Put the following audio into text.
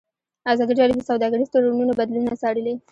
ازادي راډیو د سوداګریز تړونونه بدلونونه څارلي.